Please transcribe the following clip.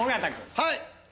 はい！